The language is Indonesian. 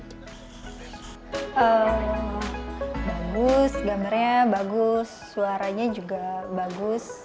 bagus gambarnya bagus suaranya juga bagus